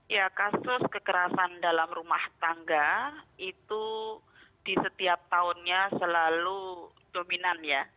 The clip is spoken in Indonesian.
ya kasus kekerasan dalam rumah tangga itu di setiap tahunnya selalu dominan ya